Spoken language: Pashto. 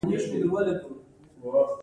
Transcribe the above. دا حاصلات د ژوند لپاره بسنه نه کوله.